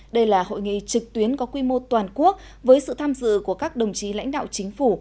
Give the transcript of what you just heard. đây là hội nghị trực tuyến có quy mô toàn quốc với sự tham dự của các đồng chí lãnh đạo chính phủ